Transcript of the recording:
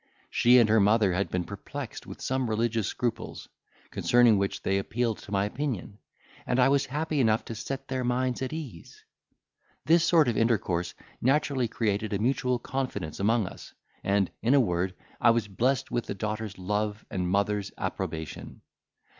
She and her mother had been perplexed with some religious scruples, concerning which they appealed to my opinion; and I was happy enough to set their minds at ease. "This sort of intercourse naturally created a mutual confidence among us; and, in a word, I was blessed with the daughter's love and mother's approbation.